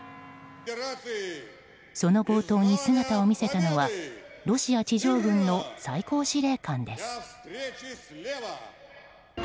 その冒頭に姿を見せたのはロシア地上軍の最高司令官です。